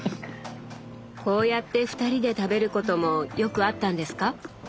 こうやって２人で食べることもよくあったんですか？